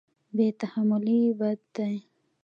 بې تحملي بد دی.